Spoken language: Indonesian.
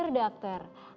nah kalau ini konsultasi